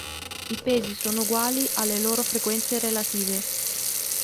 I pesi sono uguali alle loro frequenze relative.